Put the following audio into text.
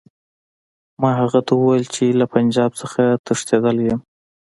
ما هغه ته وویل چې له پنجاب څخه تښتېدلی یم.